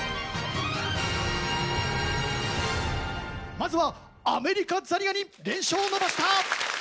まずはアメリカザリガニ連勝を伸ばした！